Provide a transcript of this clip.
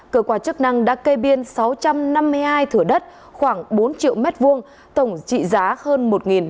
cơ quan chức năng đã cây biên sáu trăm năm mươi hai thửa đất khoảng bốn triệu m hai tổng trị giá hơn